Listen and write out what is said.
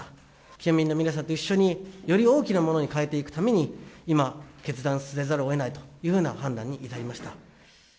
県民の皆さんと一緒に、より大きなものに変えていくために、今、決断せざるをえないというふうな判断に至りました。